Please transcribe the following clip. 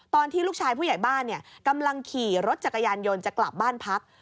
ตอนที่ลูกชายผู้ใหญ่บ้านกำลังขี่รถจักรยานยนต์จะกลับบ้านพัก